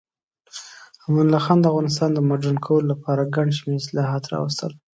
امان الله خان د افغانستان د مډرن کولو لپاره ګڼ شمیر اصلاحات راوستل.